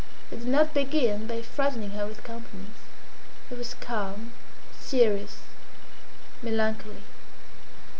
He did not begin by frightening her with compliments. He was calm, serious, melancholy.